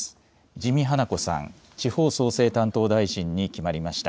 自見英子さん、地方創生担当大臣に決まりました。